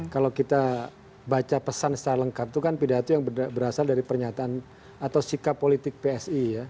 kalau kita baca pesan secara lengkap itu kan pidato yang berasal dari pernyataan atau sikap politik psi ya